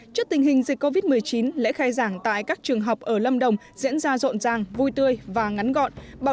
trước tình hình dịch covid một mươi chín lễ khai giảng tại các trường học ở lâm đồng diễn ra rộn ràng vui tươi và ngắn gọn